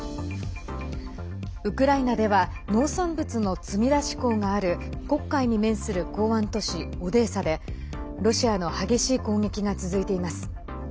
ウクライナでは農産物の積み出し港がある黒海に面する港湾都市オデーサでロシアの激しい攻撃が続いています。